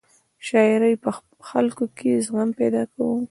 شاعرۍ په خلکو کې زغم پیدا کاوه.